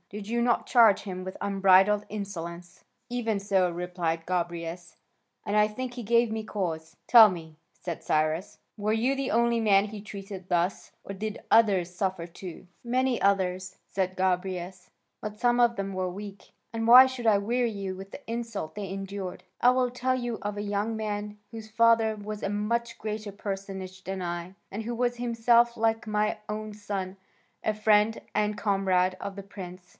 Did you not charge him with unbridled insolence?" "Even so," replied Gobryas, "and I think he gave me cause." "Tell me," said Cyrus, "were you the only man he treated thus, or did others suffer too?" "Many others," said Gobryas, "but some of them were weak, and why should I weary you with the insults they endured? I will tell you of a young man whose father was a much greater personage than I, and who was himself, like my own son, a friend and comrade of the prince.